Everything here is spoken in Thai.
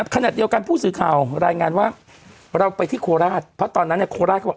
ขณะเดียวกันผู้สื่อข่าวรายงานว่าเราไปที่โคราชเพราะตอนนั้นเนี่ยโคราชเขาบอก